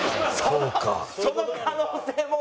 その可能性も。